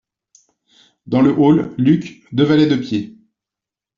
Dans le hall, Luc, deux valets de pied.